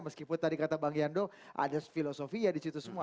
meskipun tadi kata bang yando ada filosofi ya di situ semua